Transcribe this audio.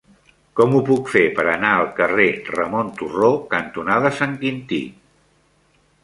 Com ho puc fer per anar al carrer Ramon Turró cantonada Sant Quintí?